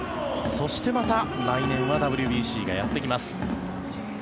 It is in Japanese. そして、また来年はＷＢＣがやってきます。